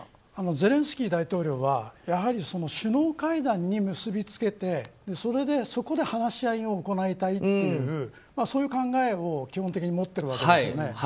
ゼレンスキー大統領は首脳会談に結び付けてそこで話し合いを行いたいというそういう考えを基本的に持っているわけですよね。